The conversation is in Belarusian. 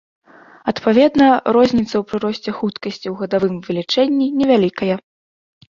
Адпаведна, розніца ў прыросце хуткасці ў гадавым вылічэнні невялікая.